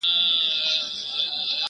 پاچا وغوښته نجلۍ واده تیار سو٫